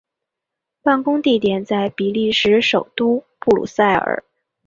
办公地点在比利时首都布鲁塞尔。